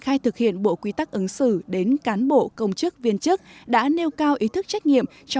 về tuyên truyền quy tắc ứng xử đang được phát động rộng rãi từ thành phố tới cơ sở